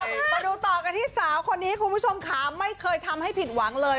มาดูต่อกันที่สาวคนนี้คุณผู้ชมค่ะไม่เคยทำให้ผิดหวังเลย